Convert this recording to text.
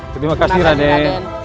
terima kasih raden